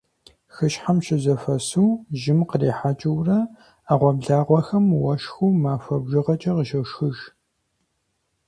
Хыщхьэм щызэхуэсу, жьым кърихьэкӀыурэ Ӏэгъуэблагъэхэм уэшхыу махуэ бжыгъэкӀэ къыщошхыж.